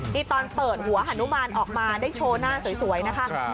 นี่ตอนเปิดหัวฮานุมานออกมาได้โชว์หน้าสวยนะคะ